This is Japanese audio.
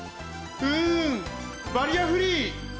うんバリアフリー！